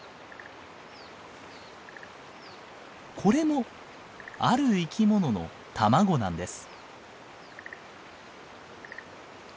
これもある生き物の卵なんです。